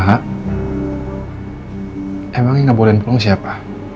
sa emang ini gak boleh dipulang siapa